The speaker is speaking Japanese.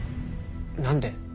何で？